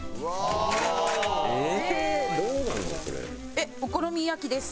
えっお好み焼きです。